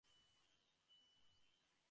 Cigarette টানতে ভালো লাগছে না।